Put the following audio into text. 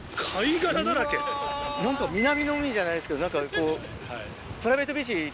何か南の海じゃないですけど何かこう。